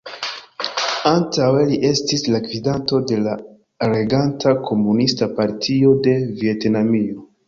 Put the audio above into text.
Antaŭe li estis la gvidanto de la reganta Komunista Partio de Vjetnamio.